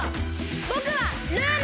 ぼくはルーナ！